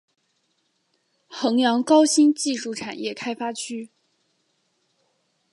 衡阳高新技术产业开发区